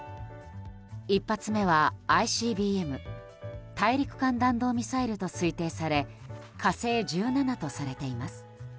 １発目はＩＣＢＭ・大陸間弾道ミサイルと推定され「火星１７」とされています。